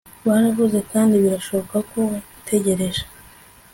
baravuze, kandi birashoboka ko wategereje